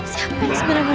jangan jadi gue ga mau mati